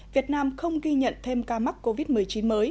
việt nam không ghi nhận thêm ca mắc covid một mươi chín mới